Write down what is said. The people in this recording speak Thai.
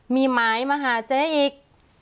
มีหมายมาหาเจ๊อีก